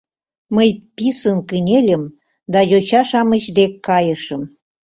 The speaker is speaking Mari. Мый писын кынельым да йоча-шамыч дек кайышым.